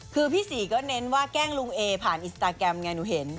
คือพี่ศรีก็เน้นว่าแกล้งลุงเอผ่านอินสตาแกรมไงหนูเห็น